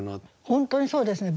本当にそうですね。